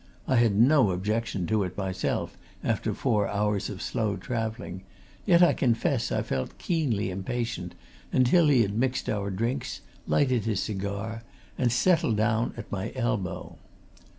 I had no objection to it myself after four hours slow travelling yet I confess I felt keenly impatient until he had mixed our drinks, lighted his cigar and settled down at my elbow.